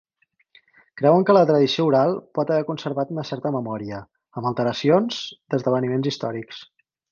Creuen que la tradició oral pot haver conservat una certa memòria, amb alteracions, d'esdeveniments històrics.